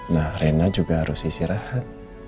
nah rena juga harus istirahat